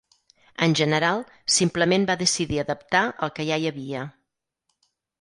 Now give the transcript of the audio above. En general, simplement va decidir adaptar el que ja hi havia.